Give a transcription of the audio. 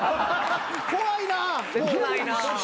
怖いな。